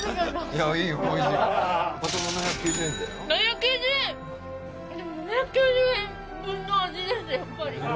やっぱり。